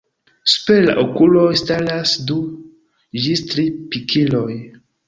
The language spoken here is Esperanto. Super la okuloj staras du ĝis tri pikiloj.